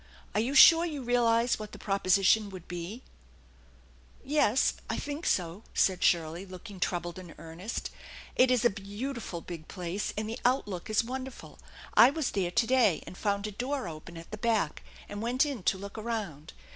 Are you sure you realize what the proposition would be ?" "Yes, I think so," said Shirley, looking troubled and earnest. "It is a beautiful big place, and the outlook is wonderful. I was there to day, and found a door open at the back, and went in to look around.